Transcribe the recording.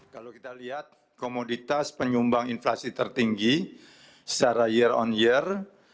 kalau kita lihat komoditas penyumbang inflasi tertinggi secara year on year